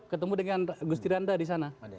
ketemu dengan gus tiranda di sana